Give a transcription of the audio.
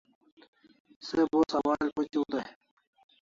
Se bo sawal phuchiu day